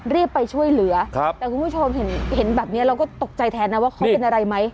รีบไปช่วยเหลือแต่คุณผู้ชมเห็นแบบนี้เราก็ตกใจแทนนะว่าเขาเป็นอะไรไหม